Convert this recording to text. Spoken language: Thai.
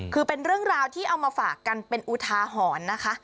คือเป็นเรื่องราวที่เอามาฝากกันเป็นอุทาหรณ์นะคะ